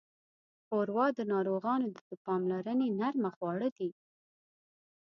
ښوروا د ناروغانو د پاملرنې نرمه خواړه ده.